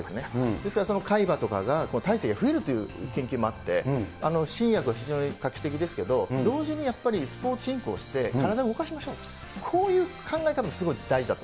ですからその海馬とかがたいせいが増えるという研究もあって、新薬は非常に画期的ですけど、同時にやっぱりスポーツ振興して、体を動かしましょうと、こういう考え方もすごい大事だと。